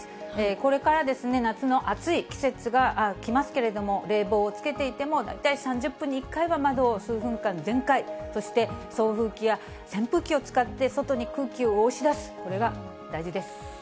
これからですね、夏の暑い季節が来ますけれども、冷房をつけていても、大体３０分に１回は窓を数分間全開、そして送風機や扇風機を使って外に空気を押し出す、これが大事です。